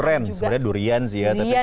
durian sebenernya durian sih ya